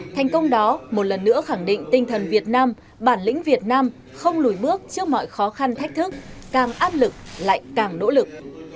thành công đó một lần nữa khẳng định tinh thần việt nam bản lĩnh việt nam không lùi bước trước mọi khó khăn thách thức càng áp lực lại càng nỗ lực